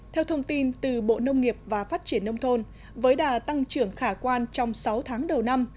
theo thông tin từ bộ nông nghiệp và phát triển nông thôn với đà tăng trưởng khả quan trong sáu tháng đầu năm